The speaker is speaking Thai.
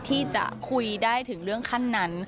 ที่จะคุยได้ถึงเรื่องขั้นนั้น